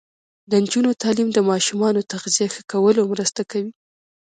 د نجونو تعلیم د ماشومانو تغذیه ښه کولو مرسته کوي.